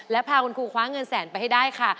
และพาคุณครูคว้าเงินแสนไปให้ได้ค่ะ